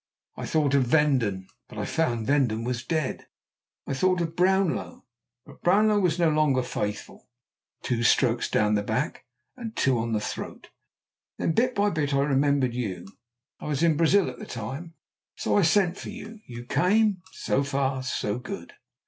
I thought of Vendon, but I found Vendon was dead. I thought of Brownlow, but Brownlow was no longer faithful. (Two strokes down the back and two on the throat.) Then bit by bit I remembered you. I was in Brazil at the time. So I sent for you. You came. So far so good."